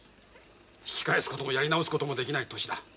引き返すこともやり直すこともできない年だ。